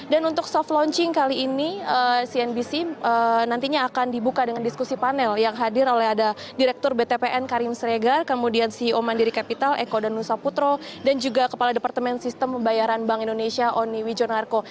dan untuk soft launching kali ini cnbc nantinya akan dibuka dengan diskusi panel yang hadir oleh ada direktur btpn karim sregar kemudian ceo mandiri kapital eko danusa putro dan juga kepala departemen sistem pembayaran bank indonesia oni wijonarko